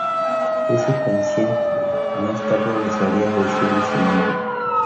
Lucy Pevensie más tarde los haría visibles de nuevo.